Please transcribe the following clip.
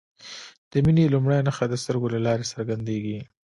د مینې لومړۍ نښه د سترګو له لارې څرګندیږي.